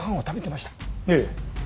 ええ。